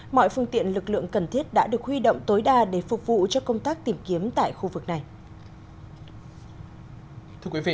mọi phương tiện lực lượng cần thiết đã được huy động tối đa để phục vụ cho công tác tìm kiếm tại khu vực này